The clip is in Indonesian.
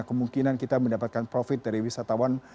kemungkinan kita mendapatkan profit dari wisatawan